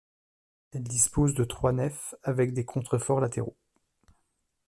Elle dispose de trois nefs, avec des contreforts latéraux.